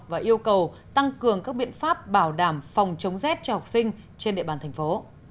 và yêu cầu tăng cường các biện pháp bảo đảm phòng chống rét cho học sinh trên địa bàn thành phố